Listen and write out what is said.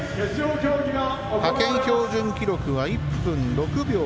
派遣標準記録は１分６秒６４。